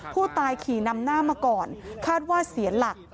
ผู้ตายขี่นำหน้ามาก่อนคาดว่าเสียหลัก